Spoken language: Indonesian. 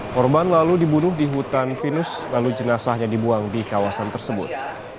korban lalu dibunuh di hutan pinus lalu jenazahnya dibuang di kawasan tersebut